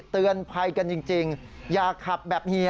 เตือนภัยกันจริงอย่าขับแบบเฮีย